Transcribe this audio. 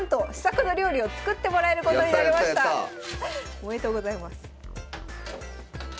おめでとうございます。